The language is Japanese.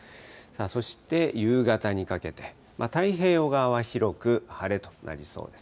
そして夕方にかけて、太平洋側は広く晴れとなりそうです。